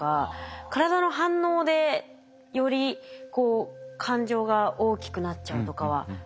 体の反応でより感情が大きくなっちゃうとかはありましたね。